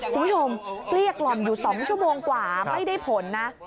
คุณผู้ชมเรียกล่ออยู่๒ชั่วโมงกว่าไม่ได้ผลนะ